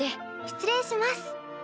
失礼します。